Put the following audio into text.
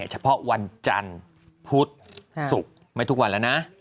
เฉพาะวันจันทร์พุธศุกร์ไม่ทุกวันแล้วนะ